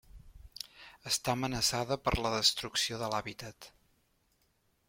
Està amenaçada per la destrucció de l'hàbitat.